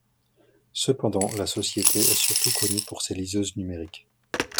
Cependant, la société est surtout connue pour ses liseuses numériques.